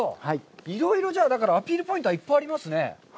いろいろアピールポイントはいっぱいありますね。